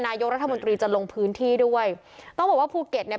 นายกรัฐมนตรีจะลงพื้นที่ด้วยต้องบอกว่าภูเก็ตเนี่ย